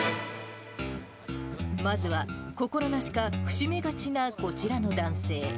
まずは、心なしか伏し目がちなこちらの男性。